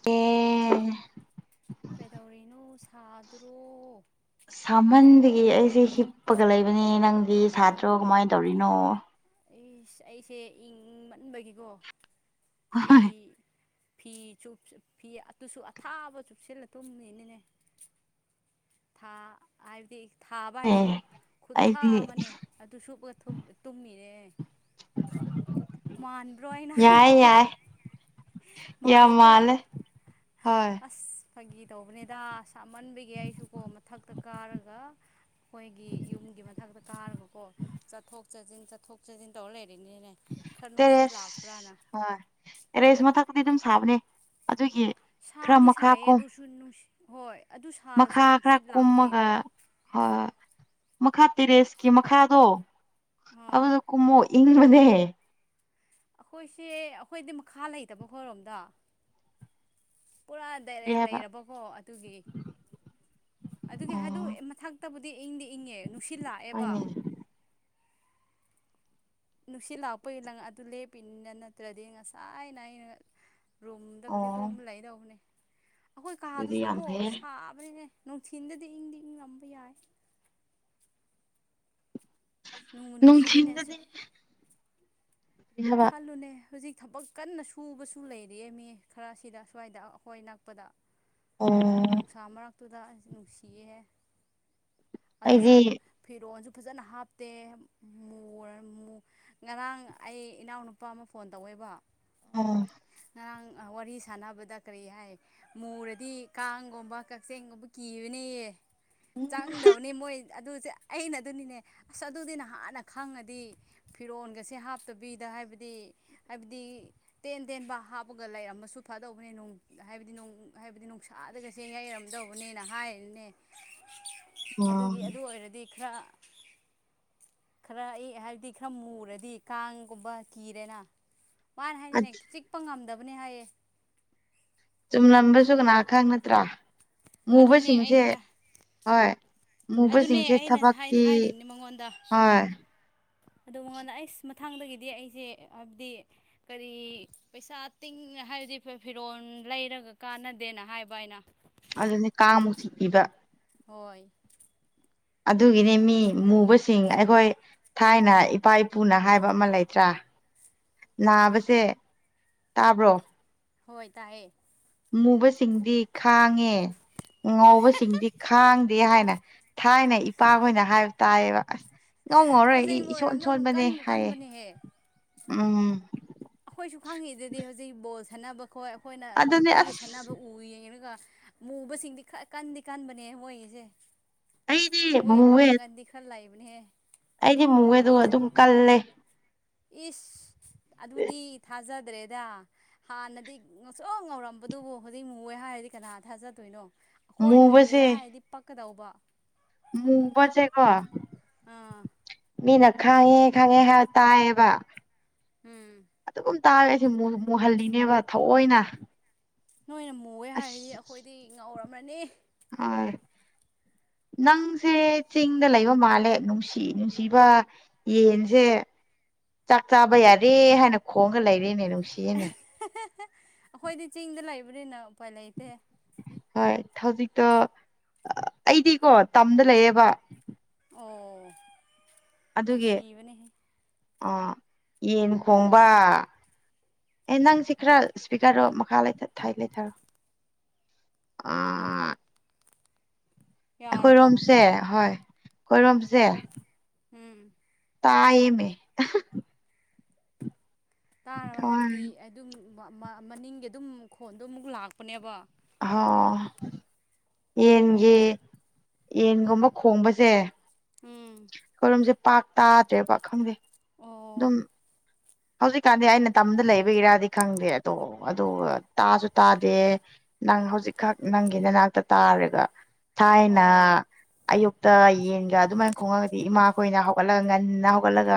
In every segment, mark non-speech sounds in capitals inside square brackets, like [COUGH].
ꯑꯦ ꯀꯩꯗꯧꯔꯤꯅꯣ ꯁꯥꯗ꯭ꯔꯣ꯫ ꯁꯥꯃꯟꯕꯒꯤ ꯑꯩꯁꯦ ꯍꯤꯞꯄꯒ ꯂꯩꯕꯅꯦ ꯅꯪꯗꯤ ꯁꯥꯗ꯭ꯔꯣ ꯀꯃꯥꯏꯅ ꯇꯧꯔꯤꯅꯣ꯫ ꯑꯩꯁ ꯑꯩꯁꯦ ꯏꯪꯃꯟꯕꯒꯤꯀꯣ ꯐꯤ ꯐꯤ ꯆꯨꯞ ꯆꯨꯞ ꯐꯤ ꯑꯗꯨꯁꯨ ꯑꯊꯥꯕ ꯆꯨꯞꯁꯤꯜꯂ ꯇꯨꯝꯃꯤꯅꯤꯅꯦ꯫ ꯊꯥ ꯑꯗꯤ ꯊꯥꯕ ꯍꯥꯏꯁꯦ ꯑꯦ ꯈꯨꯠꯊꯥ ꯑꯩꯗꯤ ꯑꯃꯅꯦ ꯑꯗꯨ ꯁꯨꯞꯄꯒ ꯊꯨꯞ ꯇꯨꯝꯃꯤꯅꯦ꯫ ꯃꯥꯟꯕ꯭ꯔꯣ ꯑꯩꯅ ꯌꯥꯏ ꯍꯥꯢꯗꯣ ꯌꯥꯏ ꯌꯥꯝ ꯃꯥꯂꯦꯀꯣ꯫ ꯃꯥꯜꯂꯦ ꯍꯣꯏ ꯑꯁ ꯐꯥꯒꯤ ꯇꯧꯕꯅꯦꯗ ꯁꯥꯃꯟꯕꯒꯤ ꯑꯩꯁꯨ ꯀꯣ ꯃꯊꯛꯇ ꯀꯥꯔꯒ ꯈꯣꯏꯒꯤ ꯌꯨꯝꯒꯤ ꯃꯊꯛꯇ ꯀꯥꯔꯒꯀꯣ ꯆꯠꯊꯣꯛ ꯆꯠꯖꯤꯟ ꯆꯠꯊꯣꯛ ꯆꯠꯖꯤꯟ ꯇꯧꯔ ꯂꯩꯔꯤꯅꯤꯅꯦ꯫ ꯈꯔ ꯅꯨꯡꯁꯤꯠ ꯂꯥꯛꯄ꯭ꯔꯥꯅ ꯇꯦꯔꯦꯁ ꯍꯣꯏ ꯇꯦꯔꯦꯁ ꯃꯊꯛꯇꯗꯤ ꯑꯗꯨꯝ ꯁꯥꯕꯅꯦ ꯑꯗꯨꯒꯤ ꯈꯔ ꯁꯥꯗꯤ ꯃꯈꯥ ꯁꯥꯏꯌꯦ ꯀꯨꯝ ꯑꯗꯨꯁꯨ ꯅꯨꯡꯁꯤ ꯍꯣꯏ ꯑꯗꯨ ꯁꯥꯔꯁꯨ ꯃꯈꯥ ꯈꯔ ꯅꯨꯡꯁꯤꯠ ꯀꯨꯝꯃꯒ ꯂꯥꯛꯄꯩꯀꯣ꯫ ꯍꯣꯏ ꯍꯣꯢ ꯃꯈꯥ ꯇꯦꯔꯦꯁꯀꯤ ꯃꯈꯥꯗꯣ ꯑꯥ ꯑꯗꯨꯗ ꯀꯨꯝꯃꯣ ꯏꯪꯕꯅꯦ꯫ ꯑꯩꯈꯣꯏꯁꯦ ꯑꯩꯈꯣꯏꯗꯤ ꯃꯈꯥ ꯂꯩꯇꯕ ꯈꯣꯏꯔꯣꯝꯗ ꯄꯨꯔꯥ ꯀꯔꯤ ꯇꯦꯂꯦꯛ ꯍꯥꯏꯕ ꯂꯩꯔꯕꯀꯣ ꯑꯗꯨꯒꯤ ꯑꯗꯨꯒꯤ ꯍꯥꯏꯗꯣ ꯑꯣ ꯃꯊꯛ ꯇꯕꯨꯗꯤ ꯏꯪꯗꯤ ꯏꯪꯉꯦ ꯅꯨꯡꯁꯤꯠ ꯂꯥꯛꯑꯦꯕ ꯍꯣꯏꯅꯦ ꯅꯨꯡꯁꯤꯠ ꯂꯥꯛꯄꯒꯤ ꯂꯪ ꯑꯗꯨ ꯂꯦꯞꯄꯤꯅꯤꯅ ꯅꯠꯇ꯭ꯔꯗꯤ ꯉꯁꯥꯏꯅ ꯑꯩꯅ ꯔꯨꯝꯗ ꯑꯣ ꯀꯖꯤ ꯇꯨꯝ ꯂꯩꯗꯧꯕꯅꯦ ꯑꯈꯣꯏ ꯑꯗꯨꯗꯤ ꯌꯥꯝ ꯀꯥꯗꯨꯁꯨꯀꯣ ꯐꯩꯌꯦ ꯁꯥꯕꯅꯤꯅꯦ꯫ ꯅꯨꯡꯊꯤꯟꯗꯗꯤ ꯏꯪꯗꯤ ꯏꯪꯂꯝꯕ ꯌꯥꯏ꯫ ꯅꯣꯡꯕꯨ ꯅꯨꯡꯁꯤꯌꯦꯅꯦ ꯁꯨ ꯅꯨꯡꯊꯤꯟꯗꯗꯤ ꯍꯥꯕ ꯈꯜꯂꯨꯅꯦ ꯍꯧꯖꯤꯛ ꯊꯕꯛ ꯀꯟꯅ ꯁꯨꯕꯁꯨ ꯂꯩꯔꯤꯑꯦ ꯃꯤ ꯈꯔꯁꯤꯗ ꯁ꯭ꯋꯥꯏꯗ ꯑꯈꯣꯏ ꯅꯛꯄꯗ꯫ ꯑꯣ ꯅꯨꯡꯁꯥ ꯃꯔꯛꯇꯨꯗ ꯑꯁ ꯅꯨꯡꯁꯤꯌꯦ ꯑꯗꯨꯁꯨ ꯑꯩꯗꯤ ꯐꯤꯔꯣꯟꯁꯨ ꯐꯖꯅ ꯍꯥꯞꯇꯦ ꯃꯨꯔꯥ ꯃꯨ ꯉꯔꯥꯡ ꯑꯩ ꯏꯅꯥꯎꯅꯨꯄꯥ ꯑꯃ ꯐꯣꯟ ꯇꯧꯋꯦꯕ ꯑ ꯉꯔꯥꯡ ꯑ ꯋꯥꯔꯤ ꯁꯥꯟꯅꯕꯗ ꯀꯔꯤ ꯍꯥꯏ ꯃꯨꯔꯗꯤ ꯀꯥꯡꯒꯨꯝꯕ ꯀꯛꯆꯤꯡꯒꯨꯝꯕ ꯀꯤꯔꯅꯤꯌꯦ ꯈꯪꯗꯕꯅꯤ ꯃꯣꯏ ꯑꯗꯨꯁꯦ ꯑꯩꯅ ꯑꯗꯨꯅꯤꯅꯦ ꯑꯁ ꯑꯗꯨꯗꯤ ꯅꯍꯥꯟꯅ ꯈꯪꯉꯗꯤ ꯐꯤꯔꯣꯟꯒꯁꯦ ꯍꯥꯞꯇꯕꯤꯗ ꯍꯥꯏꯕꯗꯤ ꯍꯥꯏꯕꯗꯤ ꯇꯦꯟ ꯇꯦꯟꯕ ꯍꯥꯞꯄꯒ ꯂꯩꯥꯔꯝꯃꯁꯨ ꯐꯥꯗꯧꯕꯅꯦ ꯅꯣꯡ ꯍꯥꯏꯕꯗꯤ ꯅꯣꯡ ꯍꯥꯏꯕꯗꯤ ꯅꯨꯡꯁꯤꯠ ꯊꯥꯗꯒꯁꯦ ꯌꯩꯔꯝꯗꯧꯕꯅꯦꯅ ꯍꯥꯏꯔꯤꯅꯦ ꯎꯝ ꯑꯗꯨꯒꯤ ꯑꯗꯨ ꯑꯣꯏꯔꯗꯤ ꯈꯔ ꯈꯔ ꯏ ꯍꯥꯏꯕꯗꯤ ꯈꯔ ꯃꯨꯔꯗꯤ ꯀꯥꯡꯒꯨꯝꯕ ꯀꯤꯔꯦꯅ ꯃꯥꯅ ꯍꯥꯏꯅꯤꯅꯦ ꯆꯤꯛ ꯄ ꯉꯝꯗꯕꯅꯤ ꯍꯥꯏꯌꯦ꯫ ꯆꯨꯝꯂꯝꯕꯁꯨ ꯀꯅꯥ ꯈꯪ ꯅꯠꯇ꯭ꯔꯥ ꯑꯗꯨꯅꯦ ꯃꯨꯕꯁꯤꯡꯁꯦ ꯑꯩꯁꯦ ꯍꯣꯏ ꯑꯗꯨꯅꯦ ꯃꯨꯕꯁꯤꯡꯁꯦ ꯑꯩꯅ ꯍꯥꯏꯅ ꯊꯕꯛꯇꯤ ꯍꯣꯏ ꯑꯗꯨ ꯃꯉꯣꯟꯗ ꯑꯩꯁ ꯃꯊꯥꯡꯗꯒꯤꯗꯤ ꯑꯩꯁꯦ ꯍꯥꯏꯕꯗꯤ ꯀꯔꯤ ꯄꯩꯁꯥ ꯇꯤꯡ ꯍꯥꯏꯕꯗꯤ ꯐꯤꯔꯣꯜ ꯂꯩꯔꯒ ꯀꯥꯟꯅꯗꯦꯅ ꯍꯥꯏꯕ ꯑꯩꯅ꯫ ꯑꯗꯨꯅꯤ ꯀꯥꯡꯃꯨꯛ ꯊꯤ ꯏꯕ ꯍꯣꯏ ꯑꯗꯨꯒꯤꯅꯦ ꯃꯤ ꯃꯨꯕꯁꯤꯡ ꯑꯩꯈꯣꯏ ꯊꯥꯏꯅ ꯏꯄꯥ ꯏꯄꯨꯅ ꯍꯥꯏꯕ ꯑꯃ ꯂꯩꯇ꯭ꯔꯥ꯫ ꯅꯥꯕꯁꯦ ꯇꯥꯕ꯭ꯔꯣ ꯍꯣꯏ ꯇꯥꯏꯌꯦ ꯃꯨꯕꯁꯤꯡꯗꯤ ꯈꯥꯡꯉꯦ ꯉꯧꯕꯁꯤꯡꯗꯤ ꯈꯥꯡ ꯇꯤ ꯍꯥꯏꯅ ꯊꯥꯏꯅ ꯏꯄꯥꯈꯣꯏꯅ ꯍꯥꯏꯕ ꯇꯥꯏꯌꯦꯕ ꯑꯁ ꯉꯧ ꯉꯧꯔ ꯑꯁꯦꯡꯕ ꯏꯁꯣꯟ ꯑꯣꯏꯔꯝꯅ ꯁꯣꯟꯕꯅꯦ ꯀꯟꯕꯨ ꯍꯥꯏꯌꯦ ꯀꯟꯕꯅꯦꯍꯦ ꯎꯝ ꯑꯩꯈꯣꯏꯁꯨ ꯈꯪꯉꯤꯗꯨꯗꯤ ꯍꯧꯖꯤꯛ ꯕꯣꯜ ꯁꯥꯟꯅꯕ ꯈꯣꯏ ꯑꯩꯈꯣꯏꯅ ꯑꯗꯨꯅꯦ ꯅꯨꯇꯤꯒꯤ ꯑꯁ ꯁꯥꯟꯅꯕ ꯎ ꯌꯦꯡꯔꯒ ꯃꯨꯕꯁꯤꯡꯗꯤ ꯈꯔ ꯀꯟꯗꯤ ꯀꯟꯕꯅꯦ ꯃꯣꯏꯒꯤꯁꯦ ꯑꯩꯗꯤ ꯃꯣꯏ ꯃꯨꯋꯦ ꯄꯥꯡꯒꯟꯗꯤ ꯈꯔ ꯂꯩꯕꯅꯦꯍꯦ ꯑꯩꯗꯤ ꯃꯨꯏꯌꯦꯗꯣ ꯗꯨꯝ ꯀꯜꯂꯦ꯫ ꯏꯁ ꯑꯗꯨꯗꯤ ꯊꯥꯖꯗ꯭ꯔꯦꯗ ꯍꯥꯟꯅꯗꯤ ꯉꯧꯁꯣꯛ ꯉꯧꯔꯝꯕꯗꯨꯕꯨ ꯍꯧꯖꯤꯛ ꯃꯨꯌꯦ ꯍꯥꯏꯔꯗꯤ ꯀꯅꯥ ꯊꯥꯖꯗꯣꯏꯅꯣ ꯑꯈꯣꯏꯅ ꯃꯨꯑꯦ ꯃꯨꯕꯁꯦ ꯍꯥꯏꯔꯗꯤ ꯄꯛꯀꯗꯧꯕ ꯃꯨꯕꯁꯦ ꯀꯣ ꯑꯥ ꯃꯤꯅ ꯈꯥꯡꯉꯦ ꯈꯥꯡꯉꯦ ꯍꯥꯏꯕ ꯇꯥꯏꯌꯦꯕ ꯎꯝ ꯇꯥꯔꯦ ꯑꯩꯁꯦ ꯃꯨꯍꯜꯂꯤꯅꯦꯕ ꯊꯑꯣꯏꯅ ꯅꯣꯏꯅ ꯃꯨꯑꯦ ꯍꯥꯏꯔꯗꯤ ꯑꯩꯈꯣꯏꯗꯤ ꯉꯧꯔꯝꯃꯅꯤ ꯑꯥꯏ ꯅꯪꯁꯦ ꯆꯤꯡꯗ ꯂꯩꯕ ꯃꯥꯜꯂꯦ ꯅꯨꯡꯁꯤ ꯅꯨꯡꯁꯤꯕ ꯌꯦꯟꯁꯦ ꯆꯥꯛ ꯆꯥꯕ ꯌꯥꯔꯦ ꯍꯥꯏꯅ ꯈꯣꯡꯒ ꯂꯩꯔꯦꯅꯦ ꯅꯨꯡꯁꯤꯌꯦꯅꯦ ꯑꯦ ꯑꯩꯈꯣꯏꯗꯤ ꯆꯤꯡꯗ ꯂꯩꯕꯅꯤꯅ ꯎꯄꯥꯏ ꯂꯩꯇꯦ ꯍꯣꯏ ꯊꯧꯖꯤꯛꯇꯣ ꯑ ꯑꯩꯗꯤꯀꯣ ꯇꯝꯗ ꯂꯩꯌꯦꯕ ꯑꯣ ꯑꯗꯨꯒꯤ ꯅꯨꯡꯁꯤꯕꯅꯦꯍꯦ ꯑꯥ ꯌꯦꯟ ꯈꯣꯡꯕꯥ ꯑꯦ ꯅꯪꯁꯤ ꯈꯔ ꯏꯁꯄꯤꯀ꯭ꯔꯗꯣ ꯃꯈꯥ ꯂꯩ ꯊꯥꯏ ꯂꯩꯊꯥꯔꯣ ꯍꯣꯏ ꯍꯣꯢ ꯑꯩꯈꯣꯏꯔꯣꯝꯁꯦ ꯍꯣꯏ ꯑꯩꯈꯣꯏꯔꯣꯝꯁꯦ ꯍꯨꯝ ꯇꯥꯢꯌꯦꯃꯦ ꯇꯥꯔꯕ ꯍꯣꯏ ꯍꯥꯏꯕꯗꯤ ꯑꯗꯨꯝ ꯃꯅꯤꯡꯒꯤ ꯑꯗꯨꯝ ꯈꯣꯟꯗꯣ ꯑꯃꯨꯛ ꯂꯥꯛꯄꯅꯦꯕꯥ ꯍꯥꯎ ꯌꯦꯟꯒꯤ ꯌꯦꯟꯒꯨꯝꯕ ꯈꯣꯡꯕꯥꯁꯦ ꯎꯝ ꯑꯈꯣꯢꯂꯣꯝꯁꯦ ꯄꯥꯛ ꯇꯥꯗ꯭ꯔꯦꯕꯥ ꯈꯪꯗꯦ ꯑꯣ ꯑꯗꯨꯝ ꯍꯧꯖꯤꯛꯀꯥꯟꯗꯤ ꯑꯩꯅ ꯇꯝꯗ ꯂꯩꯕꯒꯤꯔꯗꯤ ꯈꯪꯗꯦ ꯑꯗꯣ ꯑꯗꯣ ꯇꯥꯁꯨ ꯇꯥꯗꯦ ꯅꯪ ꯍꯧꯖꯤꯛꯈꯛ ꯅꯪꯒꯤ ꯅꯥꯅꯥꯛꯇ ꯇꯥꯔꯒ ꯊꯥꯏꯅ ꯑꯣ ꯑꯌꯨꯛꯇ ꯌꯦꯟꯒ ꯑꯗꯨꯃꯥꯏꯅ ꯈꯣꯡꯉꯒꯗꯤ ꯏꯃꯥꯈꯣꯏꯅ ꯍꯧꯒꯠꯂꯥꯒ ꯉꯟꯅ ꯍꯧꯒꯠꯂꯥꯒ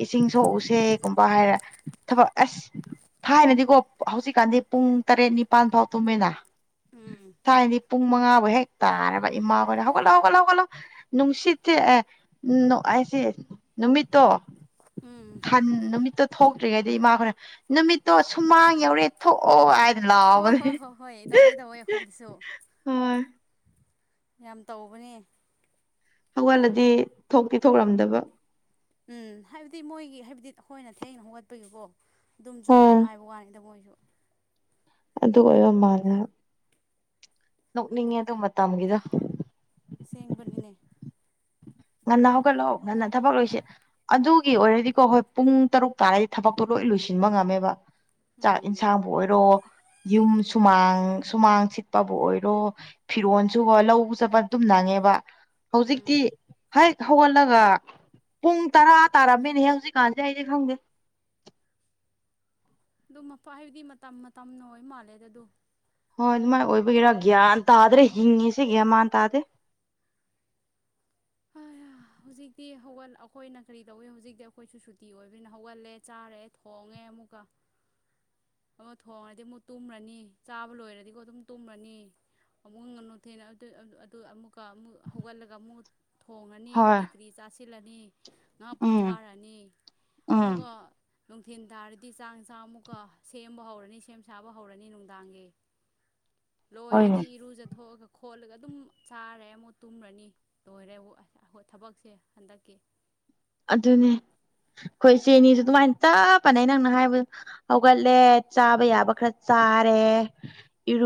ꯏꯁꯤꯡ ꯁꯣꯛꯎꯁꯦꯒꯨꯝꯕ ꯍꯥꯏꯔ ꯊꯕꯛ ꯑꯥꯁ ꯊꯥꯏꯅꯗꯤꯀꯣ ꯍꯧꯖꯤꯛꯀꯥꯟꯗꯤ ꯄꯨꯡ ꯇꯔꯦꯠ ꯅꯤꯄꯥꯜ ꯐꯥꯎ ꯇꯨꯝꯃꯦꯅꯥ ꯎꯝ ꯊꯥꯏꯅꯗꯤ ꯄꯨꯡ ꯃꯉꯥꯕꯨ ꯍꯦꯛ ꯇꯥꯔꯕ ꯏꯃꯥꯈꯣꯏꯅ ꯍꯧꯒꯠꯂꯣ ꯍꯧꯒꯠꯂꯣ ꯍꯧꯒꯠꯂꯣ ꯅꯨꯡꯁꯤꯠꯁꯦ ꯑꯦ [UNINTELLIGIBLE] ꯑꯩꯁꯦ ꯅꯨꯃꯤꯠꯇꯣ ꯎꯝ ꯊꯟ ꯅꯨꯃꯤꯠꯇꯣ ꯊꯣꯛꯇ꯭ꯔꯤꯉꯩꯗꯒꯤ ꯏꯃꯥꯈꯣꯢꯅ ꯅꯨꯃꯤꯠꯇꯣ ꯁꯨꯃꯥꯡ ꯌꯧꯔꯦ ꯊꯣꯛꯑꯣ ꯍꯥꯏ ꯍꯣꯏ ꯍꯣꯏ ꯂꯥꯎꯕꯅꯦ ꯍꯣꯏ ꯍꯣꯏ ꯇꯧꯋꯦ ꯇꯧꯋꯦ ꯑꯩꯈꯣꯏꯗꯁꯨ ꯍꯥ ꯌꯥꯝ ꯇꯧꯕꯅꯦ ꯍꯧꯒꯜꯂꯗꯤ ꯊꯣꯛꯇꯤ ꯊꯣꯛꯔꯝꯗꯕ ꯎꯝ ꯍꯥꯏꯕꯗꯤ ꯃꯣꯏꯒꯤ ꯍꯥꯏꯕꯗꯤ ꯑꯩꯈꯣꯏꯅ ꯊꯦꯡꯅ ꯍꯧꯒꯠꯄꯥꯒꯤꯀꯣ ꯑꯗꯨꯝ ꯆꯨꯝꯅ ꯍꯣꯏ ꯍꯥꯏꯕ ꯋꯥꯅꯤꯗ ꯃꯣꯏꯖꯨ ꯑꯗꯨꯒ ꯑꯩꯅ ꯃꯥꯜꯂꯦ ꯍꯥꯏ ꯅꯣꯛꯅꯤꯡꯉꯦ ꯑꯗꯨ ꯃꯇꯝꯒꯤꯗꯣ ꯁꯦꯡꯕꯥꯅꯤꯅꯦ ꯉꯟꯅ ꯍꯧꯒꯠꯂꯣ ꯉꯟꯅ ꯊꯕꯛ ꯂꯣꯏꯁꯦ ꯑꯗꯨꯒꯤ ꯑꯣꯏꯔꯗꯤꯀꯣ ꯍꯣꯏ ꯄꯨꯡ ꯇꯔꯨꯛ ꯇꯥꯔꯗꯤ ꯊꯕꯛꯇꯣ ꯂꯣꯏ ꯂꯣꯏꯁꯤꯟꯕ ꯉꯝꯃꯦꯕꯥ ꯆꯥꯛ ꯎꯝ ꯏꯟꯁꯥꯡꯕꯨ ꯑꯣꯏꯔꯣ ꯌꯨꯝ ꯁꯨꯃꯥꯡ ꯁꯨꯃꯥꯡ ꯁꯤꯠꯄꯥꯕꯨ ꯑꯣꯏꯔꯣ ꯐꯤꯔꯣꯟꯁꯨꯀꯣ ꯂꯧꯕ ꯆꯠꯄ ꯑꯗꯨꯝ ꯅꯪꯉꯦꯕꯥ ꯍꯧꯖꯤꯛꯇꯤ ꯎꯝ ꯍꯦꯛ ꯍꯧꯒꯠꯂꯒ ꯄꯨꯡ ꯇꯔꯥ ꯇꯥꯔꯝꯃꯦꯅꯦꯍꯦ ꯍꯧꯖꯤꯛꯀꯥꯟꯁꯦ ꯑꯩꯗꯤ ꯈꯪꯗꯦ ꯑꯗꯨ ꯃꯄꯥ ꯍꯥꯏꯕꯗꯤ ꯃꯇꯝ ꯃꯇꯝꯅ ꯑꯣꯏ ꯃꯥꯜꯂꯦꯗꯥ ꯑꯗꯨ ꯍꯣꯏ ꯑꯗꯨꯃꯥꯏ ꯑꯣꯏꯕꯒꯤꯔꯥ ꯒ꯭ꯌꯥꯟ ꯇꯥꯗ꯭ꯔꯦ ꯍꯤꯡꯉꯤꯁꯦ ꯒ꯭ꯌꯥꯟ ꯃꯥꯟ ꯇꯥꯗꯦ ꯍꯩꯌꯥ ꯍꯧꯖꯤꯛꯇꯤ ꯍꯧꯒꯠ ꯑꯩꯈꯣꯏꯅ ꯀꯔꯤ ꯇꯧꯋꯦ ꯍꯧꯖꯤꯛꯇꯤ ꯑꯩꯈꯣꯏꯁꯨ ꯁꯨꯇꯤ ꯑꯣꯏꯕꯅꯤꯅꯥ ꯍꯧꯒꯠꯂꯦ ꯆꯥꯔꯦ ꯊꯣꯡꯉꯦ ꯑꯃꯨꯛꯀꯥ ꯑꯃ ꯊꯣꯡꯉꯗꯤ ꯑꯃꯨꯛ ꯇꯨꯝꯔꯥꯅꯤ ꯆꯥꯕ ꯂꯣꯏꯔꯗꯤꯀꯣ ꯑꯗꯨꯝ ꯇꯨꯝꯔꯅꯤ ꯑꯃꯨꯛ [UNINTELLIGIBLE] ꯑꯃꯨꯛꯀ ꯑꯃꯨꯛ ꯍꯧꯒꯠꯂꯒ ꯑꯃꯨꯛ ꯊꯣꯡꯔꯅꯤ ꯍꯣꯏ ꯀꯔꯤ ꯀꯔꯤ ꯆꯥꯁꯤꯜꯂꯅꯤ ꯉꯥꯛ ꯎꯝ ꯄꯣꯊꯥꯔꯅꯤ ꯎꯝ ꯑꯃꯨꯛꯀꯥ ꯅꯨꯡꯊꯤꯟ ꯇꯥꯔꯗꯤ ꯆꯥꯛ ꯏꯟꯁꯥꯡ ꯑꯃꯨꯛꯀꯥ ꯁꯦꯝꯕ ꯍꯧꯔꯅꯤ ꯁꯦꯝ ꯁꯥꯕ ꯍꯧꯔꯅꯤ ꯅꯨꯡꯗꯥꯡꯒꯤ ꯍꯣꯏꯅꯦ ꯂꯣꯏꯔꯗꯤ ꯏꯔꯨꯖꯥꯊꯣꯛꯑꯥꯒꯥ ꯈꯣꯠꯂꯒ ꯑꯗꯨꯝ ꯆꯥꯔꯦ ꯑꯃꯨꯛ ꯇꯨꯝꯔꯅꯤ ꯂꯣꯏꯔꯦ ꯋꯣꯑꯦ ꯊꯕꯛꯁꯦ ꯍꯟꯗꯛꯀꯤ ꯑꯗꯨꯅꯦ ꯑꯈꯣꯏ ꯏꯆꯦꯅꯤꯁꯨ ꯑꯗꯨꯃꯥꯏꯅ ꯇꯞ ꯃꯥꯟꯅꯦ ꯅꯪꯅ ꯍꯥꯏꯕꯗ ꯍꯧꯒꯠꯂꯦ ꯆꯥꯕ ꯌꯥꯕ ꯈꯔ ꯆꯥꯔꯦ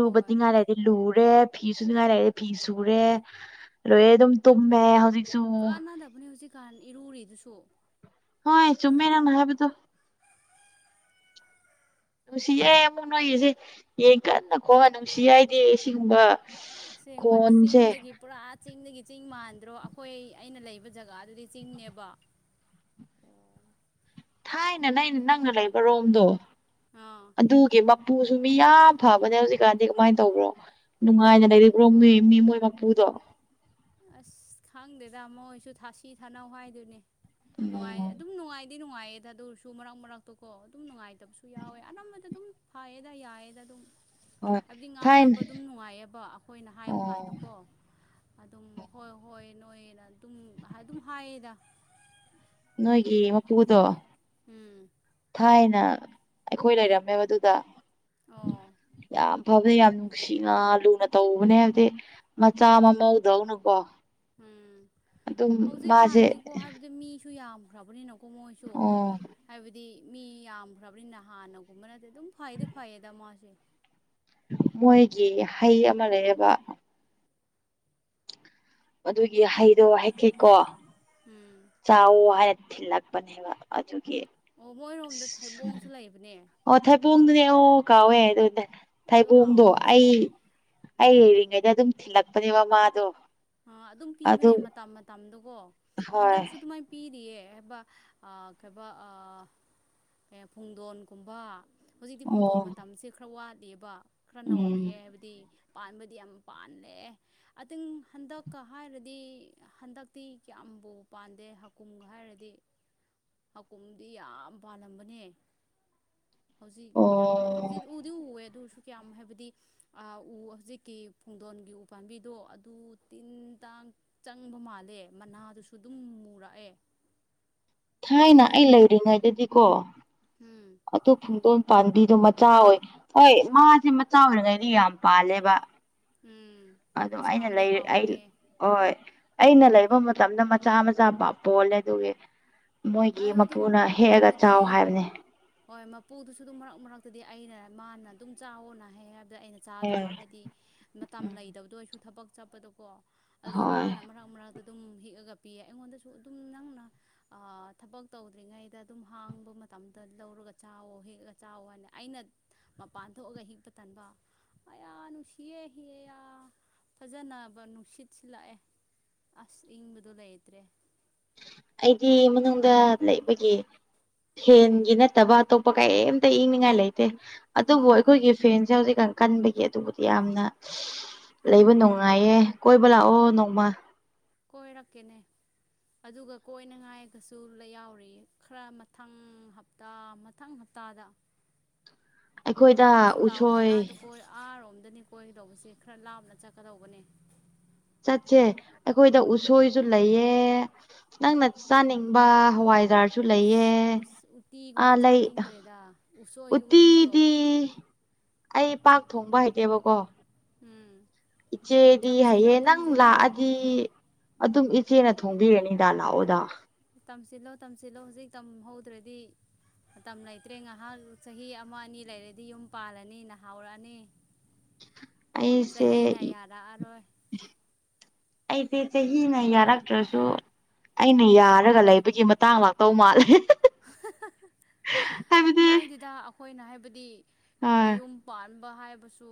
ꯍꯣꯏ ꯂꯩ ꯂꯨꯔꯦ ꯐꯤ ꯁꯨꯅꯤꯡꯉꯥꯏ ꯂꯩꯔ ꯐꯤ ꯁꯨꯔꯦ ꯂꯣꯏꯔꯦ ꯑꯗꯨꯝ ꯇꯨꯝꯃꯦ ꯍꯧꯖꯤꯛ ꯀꯥꯟꯅꯗꯕꯅꯤ ꯍꯧꯖꯤꯛꯀꯥꯟ ꯏꯔꯨꯔꯤꯗꯨꯁꯨ ꯍꯣꯏ ꯆꯨꯝꯃꯦ ꯅꯪꯅ ꯍꯥꯏꯕꯗꯨ ꯅꯨꯡꯁꯤꯌꯦ ꯑꯃꯨꯛ ꯅꯣꯏꯒꯤꯁꯦ ꯌꯦꯟ ꯀꯟꯅ ꯈꯣꯡꯉ ꯅꯨꯡꯁꯤꯌꯦ ꯑꯩꯗꯤ ꯁꯤꯒꯨꯝꯕ ꯑꯁꯦꯡꯕ ꯈꯣꯟꯁꯦ ꯆꯤꯡꯗꯒꯤ ꯄꯨꯔꯥ ꯆꯤꯡꯗꯒꯤ ꯆꯤꯡ ꯃꯥꯟꯗ꯭ꯔꯣ ꯑꯈꯣꯏ ꯑꯩꯅ ꯂꯩꯕ ꯖꯒꯥꯗꯨꯗꯤ ꯆꯤꯡꯅꯦꯕ ꯊꯥꯏꯅ ꯅꯩꯅ ꯅꯪꯅ ꯂꯩꯕ ꯔꯣꯝꯗꯣ ꯑꯥ ꯑꯗꯨꯒꯤ ꯃꯄꯨꯁꯨ ꯃꯤ ꯌꯥꯝ ꯐꯕꯅꯦ ꯍꯧꯖꯤꯛꯀꯥꯟꯗꯤ ꯀꯃꯥꯏꯅ ꯇꯧꯕ꯭ꯔꯣ ꯅꯨꯡꯉꯥꯏꯅ ꯂꯩꯔꯤꯕ꯭ꯔꯣ ꯃꯤ ꯃꯤ ꯃꯣꯏ ꯃꯄꯨꯗꯣ ꯑꯁ ꯈꯪꯗꯦꯗ ꯃꯣꯏꯁꯨ ꯊꯥꯁꯤ ꯊꯥꯅꯧ ꯍꯥꯏꯗꯨꯅꯦ ꯎꯝ ꯅꯨꯡꯉꯥꯏ ꯑꯗꯨꯝ ꯅꯨꯡꯉꯥꯏ ꯗꯤ ꯅꯨꯡꯉꯥꯏꯌꯦꯗ ꯑꯗꯨ ꯑꯣꯏꯔꯁꯨ ꯃꯔꯛ ꯃꯔꯛꯇꯀꯣ ꯑꯗꯨꯝ ꯅꯨꯡꯉꯥꯏꯇꯕꯁꯨ ꯌꯥꯎꯋꯦ ꯑꯅꯝꯕꯗ ꯑꯗꯨꯝ ꯐꯌꯦꯗ ꯌꯥꯏꯌꯦꯗ ꯑꯗꯨꯝ ꯍꯣꯏ ꯍꯥꯏꯕꯗꯤ ꯊꯥꯏꯅ ꯉꯥꯡꯅꯕ ꯑꯗꯨꯝ ꯅꯨꯡꯉꯥꯏꯌꯦꯕ ꯑꯈꯣꯏꯅ ꯍꯥꯏꯕ ꯑꯣ ꯀꯥꯟꯗꯀꯣ ꯑꯗꯨꯝ ꯍꯣꯏ ꯍꯣꯏ ꯅꯣꯏꯅ ꯑꯗꯨꯝ ꯍꯥ ꯑꯗꯨꯝ ꯍꯥꯏꯌꯦꯗ ꯅꯣꯏꯒꯤ ꯃꯄꯨꯗꯣ ꯎꯝ ꯊꯥꯏꯅ ꯑꯩꯈꯣꯏ ꯂꯩꯔꯝꯃꯦꯕ ꯑꯗꯨꯗ ꯑꯣ ꯌꯥꯝ ꯐꯕꯅꯤ ꯌꯥꯝ ꯅꯨꯡꯁꯤꯅ ꯂꯨꯅ ꯇꯧꯕꯅꯦ ꯍꯥꯏꯕꯗꯤ ꯃꯆꯥ ꯃꯃꯧ ꯗꯧꯅꯀꯣ ꯎꯝ ꯍꯧꯖꯤꯛꯀꯥꯟꯗꯤꯀꯣ ꯍꯥꯏꯕ ꯗꯤ ꯃꯤꯁꯨ ꯌꯥꯝꯈ꯭ꯔꯕꯅꯤꯅꯀꯣ ꯃꯣꯏꯁꯨ ꯑꯣ ꯍꯥꯏꯕꯗꯤ ꯃꯤ ꯌꯥꯝꯈ꯭ꯔꯕꯅꯤꯅ ꯍꯥꯟꯅꯒꯨꯝꯕ ꯅꯠꯇꯦ ꯑꯗꯨꯝ ꯐꯩꯗꯤ ꯐꯩꯌꯦꯗ ꯃꯥꯁꯦ ꯃꯣꯏꯒꯤ ꯍꯩ ꯑꯃ ꯂꯩꯌꯦꯕ ꯑꯗꯨꯒꯤ ꯍꯩꯗꯣ ꯍꯦꯛꯀꯦꯀꯣ ꯎꯝ ꯆꯥꯎ ꯍꯥꯏꯅ ꯊꯤꯜꯂꯛꯄꯅꯦꯕ ꯑꯗꯨꯒꯤ ꯑꯣ ꯃꯣꯏꯔꯣꯝꯗ ꯑꯁ ꯊꯩꯕꯣꯡꯁꯨ ꯂꯩꯕꯅꯦ ꯑꯣ ꯊꯩꯕꯣꯡꯗꯨꯅꯦ ꯑꯣ ꯀꯥꯎꯋꯦ ꯑꯗꯨꯅꯦ ꯑꯗꯨ ꯊꯩꯕꯣꯡꯗꯣ ꯍꯥꯎꯕꯅꯦ ꯑꯩ ꯑꯩ ꯂꯩꯔꯤꯉꯩꯗ ꯑꯗꯨꯝ ꯊꯤꯜꯂꯛꯄꯅꯦꯕ ꯃꯗꯣ ꯑ ꯑꯗꯨꯝ ꯄꯤꯕꯅꯦ ꯃꯇꯝ ꯃꯇꯝꯗꯨꯀꯣ ꯍꯣꯏ ꯍꯟꯗꯛꯁꯨ ꯑꯗꯨꯃꯥꯏ ꯄꯤꯔꯤꯌꯦ ꯍꯥꯏꯕ ꯑ ꯀꯩꯕ ꯑ ꯀꯩ ꯄꯨꯡꯗꯣꯟꯀꯨꯝꯕ ꯍꯧꯖꯤꯛꯇꯤ ꯑꯣ ꯄꯨꯡꯗꯣꯟ ꯃꯇꯝꯁꯦ ꯈꯔ ꯋꯥꯠꯂꯤꯌꯦꯕ ꯈꯔ ꯅꯧꯔꯤ ꯎꯝ ꯍꯥꯏꯕꯗꯤ ꯄꯥꯟꯕꯗꯤ ꯌꯥꯝ ꯄꯥꯜꯂꯦ ꯑꯇꯤꯡ ꯍꯟꯗꯛꯀ ꯍꯥꯏꯔꯗꯤ ꯍꯟꯗꯛꯇꯤ ꯀꯌꯥꯝꯕꯨ ꯄꯥꯟꯗꯦ ꯍꯀꯨꯝꯒ ꯍꯥꯏꯔꯗꯤ ꯍꯀꯨꯝꯗꯤ ꯌꯥꯝ ꯄꯥꯜꯂꯝꯕꯅꯦ ꯍꯧꯖꯤꯛ ꯌꯥꯍꯧ ꯑꯣ ꯍꯧꯖꯤꯛ ꯎꯗꯤ ꯎꯋꯦ ꯑꯗꯨꯔꯁꯨ ꯀꯌꯥꯝ ꯍꯥꯏꯕꯗꯤ ꯑ ꯎ ꯍꯧꯖꯤꯛꯀꯤ ꯄꯨꯡꯗꯣꯟꯒꯤ ꯎ ꯄꯥꯝꯕꯤꯗꯣ ꯑꯗꯨ ꯇꯤꯟ ꯇꯥꯡ ꯆꯪꯕ ꯃꯥꯜꯂꯦ ꯃꯅꯥꯗꯨꯁꯨ ꯑꯗꯨꯝ ꯃꯨꯔꯛꯑꯦ ꯊꯥꯏꯅ ꯇꯤꯟ ꯑꯩ ꯂꯩꯔꯤꯉꯩꯗꯗꯤꯀꯣ ꯎꯝ ꯑꯇꯣ ꯐꯨꯡꯇꯣꯟ ꯄꯥꯝꯕꯤꯗꯣ ꯃꯆꯥ ꯑꯣꯏ ꯍꯣꯏ ꯃꯥꯁꯦ ꯃꯆꯥ ꯑꯣꯏꯔꯤꯉꯩꯗꯤ ꯌꯥꯝ ꯄꯥꯜꯂꯦꯕ ꯎꯝ ꯑꯗꯣ ꯑꯁ ꯑꯩꯅ ꯍꯥꯎꯗꯤ ꯂꯩ ꯑꯩ ꯍꯥꯎꯕꯅꯦ ꯑꯣꯏ ꯑꯩꯅ ꯂꯩꯕ ꯃꯇꯝꯗ ꯃꯆꯥ ꯃꯆꯥ ꯄ ꯄꯣꯜꯂꯦ ꯑꯗꯨꯒꯤ ꯃꯣꯏꯒꯤ ꯑꯗꯨꯝ ꯃꯄꯨꯅ ꯍꯦꯛꯑꯒ ꯍꯥꯏꯕꯗꯤ ꯆꯥꯎ ꯍꯥꯏꯕꯅꯦ꯫ ꯍꯣꯏ ꯃꯄꯨꯗꯨꯁꯨ ꯑꯗꯨꯝ ꯃꯔꯛ ꯃꯔꯛꯇꯗꯤ ꯑꯩꯅ ꯃꯥꯅ ꯑꯗꯨꯝ ꯆꯥꯑꯣꯅ ꯍꯥꯏꯑꯦ ꯑꯗ ꯑꯩꯅ ꯆꯥꯗꯕ ꯍꯣꯏ ꯍꯥꯏꯗꯤ ꯃꯇꯝ ꯎꯝ ꯂꯩꯇꯕꯗꯣ ꯑꯩꯁꯨ ꯊꯕꯛ ꯆꯠꯄꯗꯣꯀꯣ ꯑꯗꯨꯒꯤ ꯍꯣꯏ ꯃꯥꯅ ꯃꯔꯛ ꯃꯔꯛ ꯑꯗꯨꯝ ꯍꯦꯛꯑꯒ ꯄꯤꯌꯦ ꯑꯩꯉꯣꯟꯗꯁꯨ ꯑꯗꯨꯝ ꯅꯪꯅ ꯑꯥ ꯊꯕꯛ ꯇꯧꯗ꯭ꯔꯤꯉꯩꯗ ꯑꯗꯨꯝ ꯍꯥꯡꯕ ꯃꯇꯝꯗ ꯂꯧꯔꯒ ꯆꯥꯋꯣ ꯍꯦꯛꯑꯒ ꯆꯥꯎꯋꯣꯅ ꯑꯩꯅ ꯃꯄꯥꯟ ꯊꯣꯛꯑꯒ ꯍꯦꯛꯄ ꯇꯟꯕ ꯑꯌꯥ ꯅꯨꯡꯁꯤꯌꯦ ꯍꯤꯑꯦ ꯌꯥ ꯐꯖꯅꯕ ꯅꯨꯡꯁꯤꯠ ꯁꯤꯜꯂꯛꯑꯦ ꯑꯁ ꯏꯪꯕꯗꯣ ꯂꯩꯇ꯭ꯔꯦ꯫ ꯑꯩꯗꯤ ꯃꯅꯨꯡꯗ ꯂꯩꯕꯒꯤ ꯐꯦꯟꯒꯤ ꯅꯠꯇꯕ ꯑꯇꯣꯞꯄ ꯀꯩꯝꯇ ꯏꯪꯅꯤꯡꯉꯥꯏ ꯂꯩꯇꯦ ꯑꯗꯨꯕꯨ ꯑꯥ ꯑꯩꯈꯣꯏꯒꯤ ꯐꯦꯟꯁꯦ ꯍꯧꯖꯤꯛꯀꯥꯟ ꯀꯟꯕꯒꯤ ꯑꯗꯨꯕꯨꯗꯤ ꯌꯥꯝꯅ ꯂꯩꯕ ꯅꯨꯡꯉꯥꯏꯌꯦ ꯀꯣꯏꯕ ꯂꯥꯛꯑꯣ ꯅꯣꯡꯃ ꯀꯣꯏꯔꯛꯀꯦꯅꯦ꯫ ꯑꯗꯨꯒ ꯀꯣꯏꯅꯉꯥꯏꯒꯁꯨ ꯂꯩ ꯌꯥꯎꯔꯤꯑꯦ ꯈ꯭ꯔꯥ ꯃꯊꯪ ꯍꯞ ꯇꯥ ꯃꯊꯪ ꯍꯞꯇꯥꯗ ꯑꯩꯈꯣꯏꯗ ꯅꯪꯁꯨ ꯂꯥꯛꯑꯣꯅꯦ ꯎꯁꯣꯏ ꯑꯥꯗꯣ ꯀꯣꯏ ꯑꯥꯔꯣꯝꯗꯅꯤ ꯀꯣꯏꯒꯗꯧꯕꯁꯦ ꯈ꯭ꯔꯥ ꯂꯥꯞꯅ ꯆꯠꯀꯗꯧꯕꯅꯦ ꯆꯠꯁꯦ ꯑꯩꯈꯣꯏꯗ ꯎꯁꯣꯏꯁꯨ ꯂꯩꯌꯦ꯫ ꯅꯪꯅ ꯆꯥꯅꯤꯡꯕ ꯍꯋꯥꯏꯖꯥꯔ ꯁꯨ ꯂꯩꯌꯦ ꯑꯁ ꯑ ꯎꯇꯤꯒꯨꯝꯕ ꯂꯩ ꯆꯥꯅꯤꯡꯈ꯭ꯔꯦꯗ ꯎꯁꯣꯏꯒꯤ ꯎꯇꯤꯗꯣ ꯎꯠꯇꯤꯗꯤ ꯑꯩ ꯄꯥꯛ ꯊꯣꯡꯕ ꯍꯩꯇꯦꯕꯀꯣ ꯎꯝ ꯏꯆꯦꯗꯤ ꯇꯝꯁꯤꯜꯂꯣ ꯍꯩꯌꯦ ꯅꯪ ꯇꯝꯁꯤꯜꯂꯣ ꯂꯥꯛꯑ ꯗꯤ ꯑꯗꯨꯝ ꯏꯆꯦꯅ ꯊꯣꯡꯕꯤꯔꯅꯤꯗ ꯂꯥꯛꯑꯣꯗ꯫ ꯇꯝꯁꯤꯜꯂꯣ ꯇꯝꯁꯤꯜꯂꯣ ꯍꯧꯖꯤꯛ ꯇꯝꯍꯧꯗ꯭ꯔꯗꯤ ꯃꯇꯝ ꯂꯩꯇ꯭ꯔꯦ ꯉꯍꯥꯟ ꯆꯍꯤ ꯑꯃ ꯑꯅꯤ ꯂꯩꯔꯗꯤ ꯌꯨꯝ ꯄꯥꯜꯂꯅꯤ ꯅꯍꯥꯎꯔꯛꯑꯅꯤ [INAUDIBLE] ꯑꯩꯁꯦ ꯆꯍꯤꯅ ꯌꯥꯔꯛꯑꯔꯣꯏ ꯑꯩꯗꯤ ꯆꯍꯤꯅ ꯌꯥꯔꯛꯇ꯭ꯔꯁꯨ ꯑꯩꯅ ꯌꯥꯔꯒ ꯂꯩꯕꯒꯤ ꯃꯇꯥꯡ ꯂꯥꯛꯇꯧ ꯃꯥꯜꯂꯦ ꯍꯥꯏꯕꯗꯤ ꯀꯥꯏꯗꯦꯗ ꯑꯈꯣꯏꯅ ꯍꯥꯏꯕꯗꯤ ꯑꯥ ꯌꯨꯝ ꯄꯥꯟ ꯕ ꯍꯥꯏꯕꯁꯨ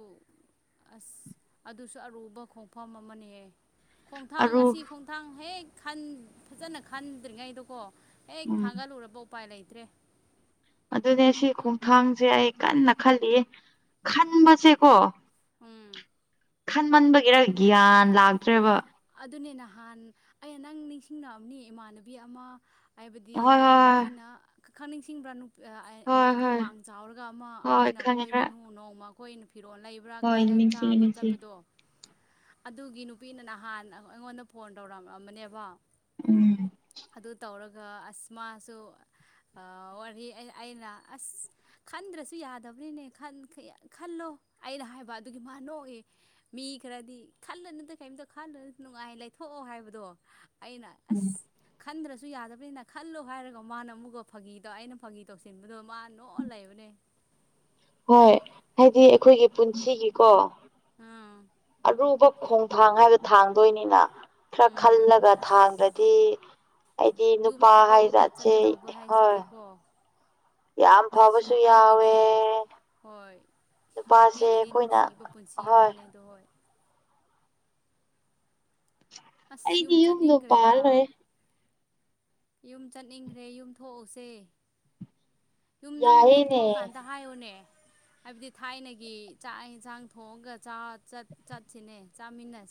ꯑꯁ ꯑꯗꯨꯁꯨ ꯑꯔꯨꯕ ꯈꯣꯡꯐꯝ ꯑꯃꯅꯦꯍꯦ ꯈꯣꯡꯊꯥꯡ ꯑꯔꯨ ꯑꯁꯤ ꯈꯣꯡꯊꯥꯡ ꯍꯦꯛ ꯈꯟ ꯐꯖꯅ ꯈꯟꯗ꯭ꯔꯤꯉꯩꯗꯀꯣ ꯍꯦꯡ ꯎꯝ ꯊꯥꯡꯒꯠꯂꯨꯔꯕ ꯎꯄꯥꯏ ꯂꯩꯇ꯭ꯔꯦ꯫ ꯑꯗꯨꯅꯦ ꯁꯤ ꯈꯣꯡꯊꯥꯡꯁꯦ ꯑꯩ ꯀꯟꯅ ꯈꯜꯂꯤꯌꯦ ꯈꯟꯕꯁꯦꯀꯣ ꯎꯝ ꯈꯟꯃꯟꯕꯒꯤꯔ ꯒ꯭ꯌꯥꯟ ꯂꯥꯛꯇ꯭ꯔꯦꯕ ꯑꯗꯨꯅꯦ ꯅꯍꯥꯟ ꯑꯩꯅ ꯅꯪ ꯅꯤꯡꯁꯤꯡꯑꯝꯅꯤ ꯏꯃꯥꯟꯅꯕꯤ ꯑꯃ ꯍꯥꯏꯕꯗꯤ ꯍꯣꯏ ꯍꯣꯏ ꯑꯩꯈꯣꯏꯅ ꯈ ꯈꯪ ꯅꯤꯡꯁꯤꯡꯕ꯭ꯔꯥ ꯅꯨ ꯑ ꯑꯩ ꯍꯣꯏ ꯏꯃꯥꯟꯅꯕꯤ ꯍꯣꯏ ꯋꯥꯡ ꯆꯥꯎꯔꯒ ꯑꯃ ꯍꯣꯏ ꯑꯩꯈꯣꯏꯅ ꯈꯪꯉꯦ ꯈꯔ ꯀꯣꯏꯕꯅꯨ ꯅꯣꯡꯃ ꯑꯩꯈꯣꯏꯅ ꯐꯤꯔꯣꯜ ꯂꯩ ꯕ꯭ꯔꯥ ꯍꯣꯏ ꯀ꯭ꯔꯤꯔꯥ ꯅꯤꯡꯁꯤꯡꯉꯦ ꯆꯥꯕ ꯅꯤꯡꯁꯤꯡꯉꯦ ꯆꯠꯄꯗꯣ꯫ ꯑꯗꯨꯒꯤ ꯅꯨꯄꯤꯅ ꯅꯍꯥꯟ ꯑ ꯑꯩꯉꯣꯟꯗ ꯐꯣꯟ ꯇꯧꯔꯝꯑꯝꯕꯅꯦꯕ꯫ ꯎꯝ ꯑꯗꯨ ꯇꯧꯔꯒ ꯑꯁ ꯃꯥꯁꯨ ꯑꯥ ꯋꯥꯔꯤ ꯑꯩ ꯑꯩꯅ ꯑꯁ ꯈꯟꯗ꯭ꯔꯁꯨ ꯌꯥꯗꯕꯅꯤꯅꯦ ꯈꯟ ꯈꯌ ꯈꯜꯂꯣ ꯑꯩꯅ ꯍꯥꯏꯕ ꯑꯗꯨꯒꯤ ꯃꯥ ꯅꯣꯛꯏꯌꯦ ꯃꯤ ꯈ꯭ꯔꯗꯤ ꯈꯜꯂꯨꯅꯨꯗ꯫ ꯀꯩꯝꯇ ꯈꯟꯗꯦꯗ ꯅꯨꯡꯉꯥꯏ ꯂꯩꯊꯣꯛꯑꯣ ꯍꯥꯏꯕꯗꯣ ꯑꯩꯅ ꯎꯝ ꯑꯁ ꯈꯟꯗ꯭ꯔꯁꯨ ꯌꯥꯗꯕꯅꯤꯅ ꯈꯜꯂꯣ ꯍꯥꯏꯔꯒ ꯃꯥꯅ ꯑꯃꯨꯛꯀ ꯐꯥꯒꯤꯗꯣ ꯑꯩꯅ ꯐꯥꯒꯤ ꯇꯧꯁꯤꯟꯕꯗꯣ ꯃꯥ ꯅꯣꯛꯑ ꯂꯩꯕꯅꯦ ꯍꯣꯏ ꯍꯥꯏꯗꯤ ꯑꯩꯈꯣꯏꯒꯤ ꯄꯨꯟꯁꯤꯒꯤꯀꯣ ꯎꯝ ꯑꯔꯨꯕ ꯈꯣꯡꯊꯥꯡ ꯍꯥꯏꯕ ꯊꯥꯡꯗꯣꯏꯅꯤꯅ ꯈ꯭ꯔ ꯎꯝ ꯈꯜꯂꯒ ꯑꯁ ꯊꯥꯡꯗ꯭ꯔꯗꯤ ꯑꯩꯗꯤ ꯌꯨꯝ ꯅꯨꯄꯥ ꯍꯥꯏ ꯊꯥꯗꯣꯛꯑꯒ ꯖꯥꯠꯁꯦ ꯆꯠꯀꯗꯧꯕ ꯍꯣꯏ ꯍꯥꯏꯁꯤꯗꯤꯀꯣ ꯌꯥꯝ ꯑꯁ ꯐꯕꯁꯨ ꯌꯥꯎꯋꯦ ꯅꯨꯄꯤꯒꯤꯗꯤ ꯍꯣꯏ ꯅꯨꯄꯥꯁꯦ ꯅꯨꯄꯤꯒꯤꯗꯤ ꯑꯩꯈꯣꯏꯅ ꯅꯨꯡꯁꯤꯕ ꯄꯨꯟꯁꯤ ꯍꯣꯏ ꯑꯃꯅꯦꯗꯣ ꯍꯣꯏ ꯑꯁ ꯑꯩꯗꯤ ꯌꯨꯝ ꯌꯨꯝꯗꯣ ꯆꯠꯅꯤꯡꯈ꯭ꯔꯦꯗ ꯄꯥꯜꯂꯣꯏ ꯌꯨꯝ ꯆꯠꯅꯤꯡꯈ꯭ꯔꯦ ꯌꯨꯝ ꯊꯣꯛꯎꯁꯦ ꯌꯨꯝ ꯅꯪ ꯌꯨꯝ ꯌꯥꯏꯌꯦꯅꯦ ꯊꯣꯛꯑꯀꯥꯟꯗ ꯍꯥꯏꯌꯨꯅꯦ ꯍꯥꯏꯕꯗꯤ ꯊꯥꯏꯅꯒꯤ ꯆꯥꯛ ꯏꯟꯁꯥꯡ ꯊꯣꯡꯉꯒ ꯆꯠ ꯆꯠꯁꯤꯅꯦ ꯆꯥꯃꯤꯟꯅꯁꯤ